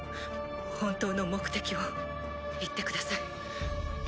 本当の目的を言ってください。